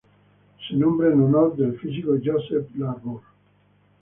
Se nombra en honor del físico Joseph Larmor.